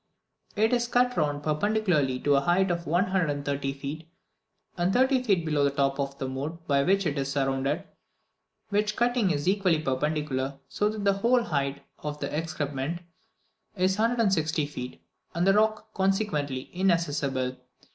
It is cut round perpendicularly to a height of 130 feet and thirty feet below the top of the moat by which it is surrounded, which cutting is equally perpendicular, so that the whole height of the escarpment is 160 feet, and the rock, consequently, inaccessible.